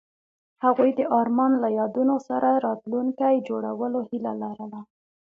هغوی د آرمان له یادونو سره راتلونکی جوړولو هیله لرله.